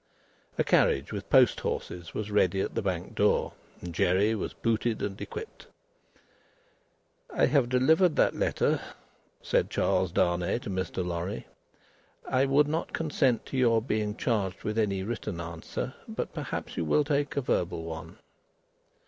A carriage with post horses was ready at the Bank door, and Jerry was booted and equipped. "I have delivered that letter," said Charles Darnay to Mr. Lorry. "I would not consent to your being charged with any written answer, but perhaps you will take a verbal one?"